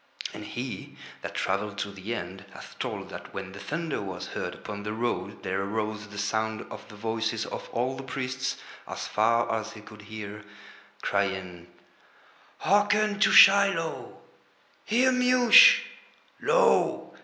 And he that travelled to the End hath told that when the thunder was heard upon the road there arose the sound of the voices of all the priests as far as he could hear, crying: "Hearken to Shilo"—"Hear Mush"—"Lo!